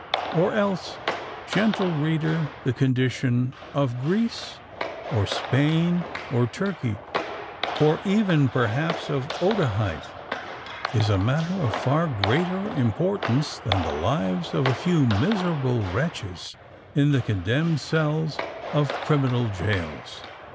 Or else, gentle reader, the condition of Greece—or Spain—or Turkey,—or even perhaps of Otaheite,—is a matter of far greater importance than the lives of a few miserable wretches in the condemned cells of criminal gaols!